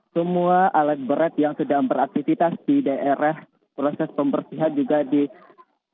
semua alat berat yang sedang beraktivitas di daerah proses pembersihan juga dilakukan